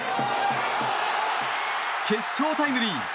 決勝タイムリー！